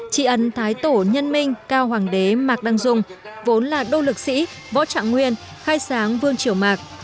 trị ấn thái tổ nhân minh cao hoàng đế mạc đăng dung vốn là đô lực sĩ võ trạng nguyên khai sáng vương triều mạc